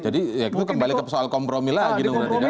jadi itu kembali ke soal kompromi lagi